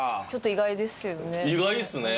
意外ですね。